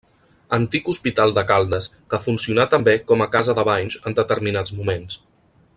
Antic hospital de Caldes, que funcionà també com a casa de banys en determinats moments.